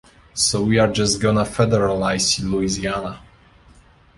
So we're just gonna federalize Louisiana.